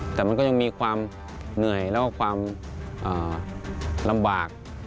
แต่มันก็ยังมีความเหนื่อยแล้วก็ความลำบาก